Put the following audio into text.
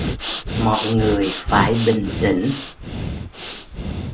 Mọi người phải bình tĩnh